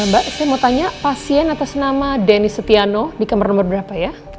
mbak saya mau tanya pasien atas nama denny setiano di kamar nomor berapa ya